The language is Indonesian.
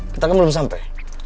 kita kan belum sampai